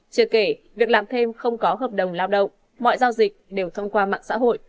chưa kể việc làm thêm không có hợp đồng lao động mọi giao dịch đều thông qua mạng xã hội